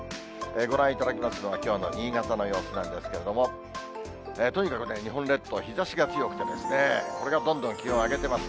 ご覧いただきますのは、きょうの新潟の様子なんですけれども、とにかく日本列島、日ざしが強くてですね、これがどんどん気温上げてます。